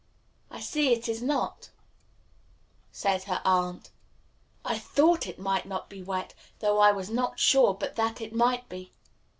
"I see it is not," said her aunt. "I thought it would not be wet; though I was not sure but that it might be.